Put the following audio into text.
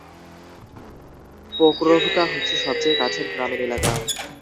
পোক্রোভকা হচ্ছে সবচেয়ে কাছের গ্রামীণ এলাকা।